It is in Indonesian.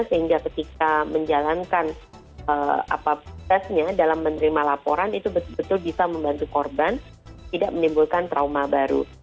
sehingga ketika menjalankan tesnya dalam menerima laporan itu betul betul bisa membantu korban tidak menimbulkan trauma baru